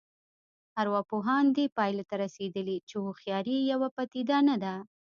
ارواپوهان دې پایلې ته رسېدلي چې هوښیاري یوه پدیده نه ده